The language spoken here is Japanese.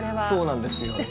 そうなんですよ。